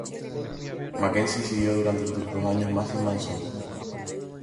Mackenzie siguió durante otros dos años más sin Manson.